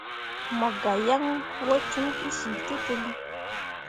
Mo gah yan wo com kǝsyiltǝlli.